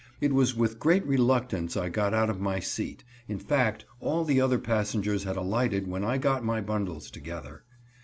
It was with great reluctance I got out of my seat; in fact, all the other passengers had alighted when I got my bundles together.